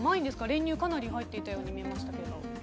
練乳がかなり入っていたように見えましたけど。